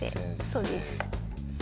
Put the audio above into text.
そうです。